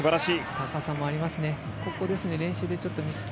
高さもありますね。